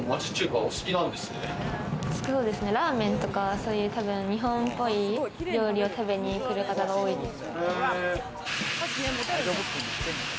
ラーメンとか、そういう日本っぽい料理を食べに来る方が多いです。